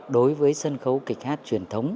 đối với sân khấu kịch hát truyền thống